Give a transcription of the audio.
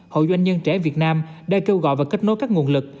hội doanh nhân trẻ việt nam đã kêu gọi và kết nối các nguồn lực